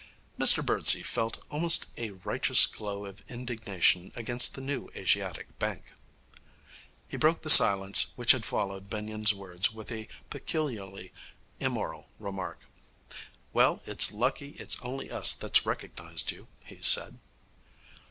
Mr Birdsey felt almost a righteous glow of indignation against the New Asiatic Bank. He broke the silence which had followed Benyon's words with a peculiarly immoral remark: 'Well, it's lucky it's only us that's recognized you,' he said.